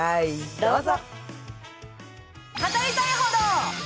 どうぞ！